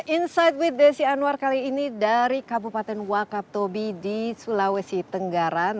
insight with desi anwar kali ini dari kabupaten wakatobi di sulawesi tenggara